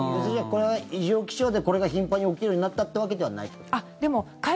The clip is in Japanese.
これは異常気象でこれが頻繁に起きるようになったってわけではないってことですか？